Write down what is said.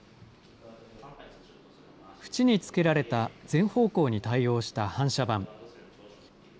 縁につけられた全方向に対応した反射板。